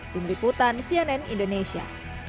dimeriputan cnn indonesia